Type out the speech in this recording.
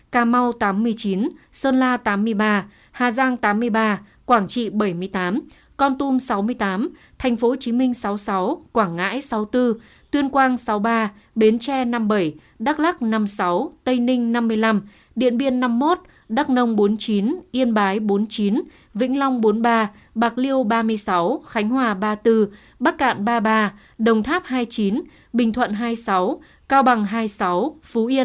cà mau tám mươi chín sơn la tám mươi ba hà giang tám mươi ba quảng trị bảy mươi tám con tum sáu mươi tám tp hcm sáu mươi sáu quảng ngãi sáu mươi bốn tuyên quang sáu mươi ba bến tre năm mươi bảy đắk lắc năm mươi sáu tây ninh năm mươi năm điện biên năm mươi một đắk nông bốn mươi chín yên bái bốn mươi chín vĩnh long bốn mươi ba bạc liêu ba mươi sáu khánh hòa ba mươi bốn bắc cạn ba mươi ba đồng tháp hai mươi chín bình thuận hai mươi sáu cao bằng hai mươi sáu phú yên hai mươi năm